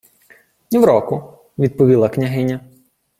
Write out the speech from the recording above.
— Нівроку, — відповіла княгиня.